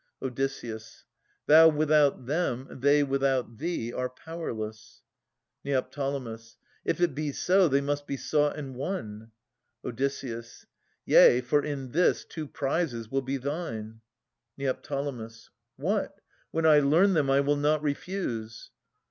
Od. Thou without them, they without thee, are power less. Neo. If it be so, they must be sought and won. Od. Yea, for in this two prizes will be thine. Neo. What? When I learn them, I will not refuse.